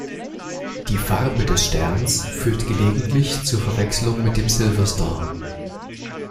Die Farbe des Sterns führt gelegentlich zur Verwechslung mit dem Silver Star.